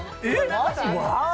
・マジ！